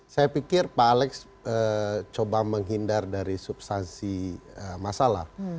saya pikir pak alex coba menghindar dari substansi masalah